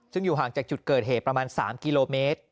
ซึ่งอยู่ห่างจากจุดเกิดเหตุประมาณ๓กิโลเมตร